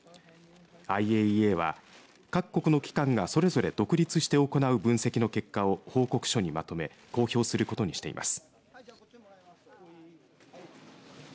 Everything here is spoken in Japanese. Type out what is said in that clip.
ＩＡＥＡは各国の機関がそれぞれ独立して行う分析の結果を報告書にまとめ公表することにしています。